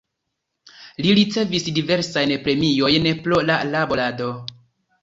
Li ricevis diversajn premiojn pro la laborado.